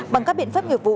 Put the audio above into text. bằng các biện pháp nghiệp vụ